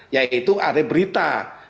yaitu ada berita